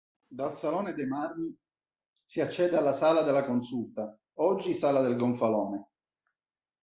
Dal "Salone dei Marmi" si accede alla "Sala della Consulta", oggi "Sala del Gonfalone".